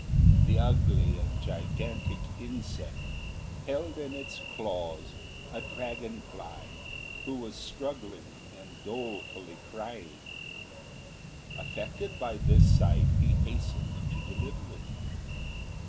The ugly and gigantic insect held in its claws a dragon fly who was struggling and dolefully crying. Affected by this sight, he hastened to deliver it.